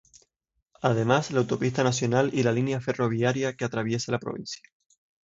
Además, la Autopista Nacional y la línea ferroviaria que atraviesa la provincia.